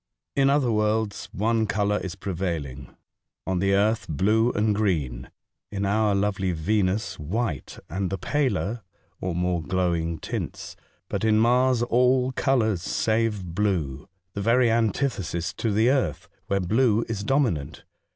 In other worlds one colour is prevailing : on the earth blue and green ; in our lovely Venus white, and the paler, or more glowing tints ; but in Mars all colours save blue — the very antithesis to the earth, where blue is dominant.